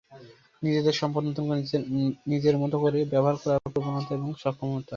নিজেদের সম্পদ নতুন করে নিজের মতো করে ব্যবহার করার প্রবণতা এবং সক্ষমতা।